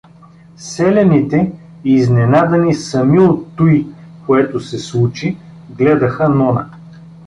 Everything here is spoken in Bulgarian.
Селяните, изненадани сами от туй, което се случи, гледаха Нона.